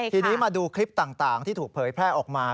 ทีนี้มาดูคลิปต่างที่ถูกเผยแพร่ออกมา